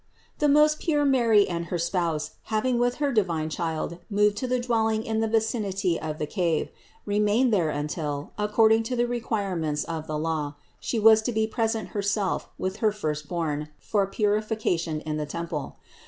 576. The most pure Mary and her spouse, having with her divine Child moved to the dwelling in the vicinity of the cave, remained there until, according to the re quirements of the law, She was to be present Herself with her First born for purification in the temple.